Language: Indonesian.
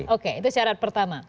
oke itu syarat pertama